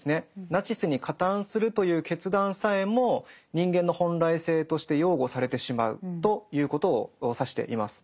ナチスに加担するという決断さえも人間の本来性として擁護されてしまうということを指しています。